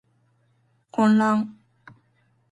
混乱